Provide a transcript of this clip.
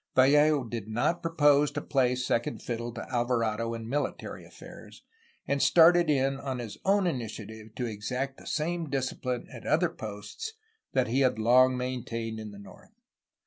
Vallejo did not propose to play second fiddle to Alvarado in military affairs, and started in on his own initiative to exact the same discipline at other posts that he had long maintained in the north.